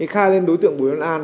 khai lên đối tượng bùi văn an